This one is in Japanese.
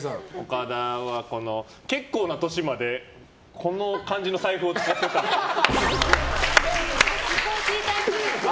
岡田は、結構な年までこんな感じの財布を使ってるっぽい。